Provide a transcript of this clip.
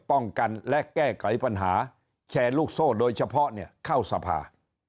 ป้องกันและแก้ไขปัญหาแชร์ลูกโซ่โดยเฉพาะเนี่ยเข้าสภา